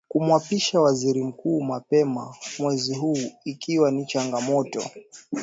kumwapisha Waziri Mkuu mapema mwezi huu ikiwa ni changamoto